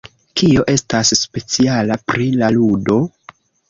Kio estas speciala pri la ludo?